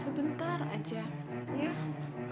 sebentar aja ya